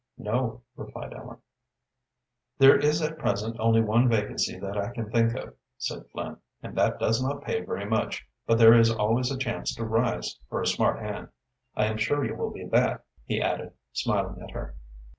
"No," replied Ellen. "There is at present only one vacancy that I can think of," said Flynn, "and that does not pay very much, but there is always a chance to rise for a smart hand. I am sure you will be that," he added, smiling at her.